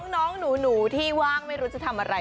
น้องหนูที่ว่างไม่รู้จะทำอะไร